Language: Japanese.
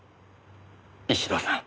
石堂さん。